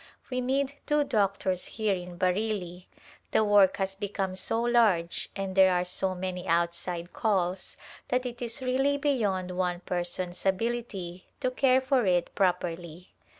We need two doctors here in Bareilly ; the work has become so large and there are so many outside calls that it is really beyond one person's ability to care for it properly.